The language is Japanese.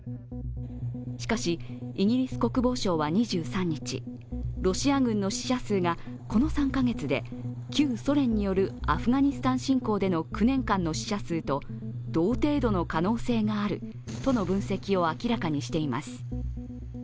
しかし、イギリス国防省は２３日ロシア軍の死者数がこの３カ月で旧ソ連によるアフガニスタン侵攻での９年間の死者数と同程度の可能性があるとの分析を明らかにしています。